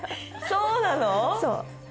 そう